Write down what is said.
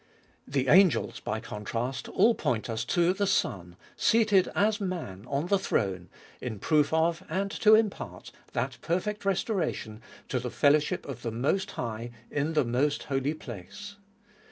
The angels, by contrast, all point us to the Son, seated as Man on the throne, in proof of, and to impart, that perfect restoration to the fellowship of the Most High in the Most Holy Place.